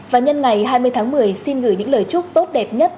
ba mươi tháng một mươi xin gửi những lời chúc tốt đẹp nhất